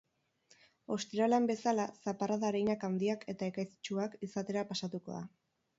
Ostiralean bzeala, zaparrada arinak handiak eta ekaitztsuak izatera pasatuko da.